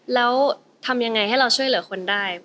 แล้วทำยังไงให้เราช่วยเหลือคนได้